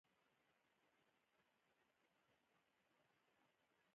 بوټونه په کلیو کې هم مهم بلل کېږي.